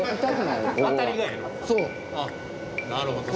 なるほど。